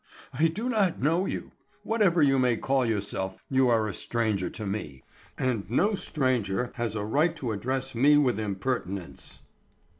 "I do not know you. Whatever you may call yourself, you are a stranger to me, and no stranger has a right to address me with impertinence.